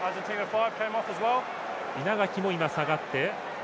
稲垣も今、下がって。